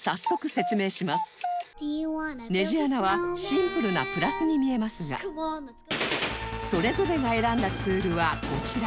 ネジ穴はシンプルなプラスに見えますがそれぞれが選んだツールはこちら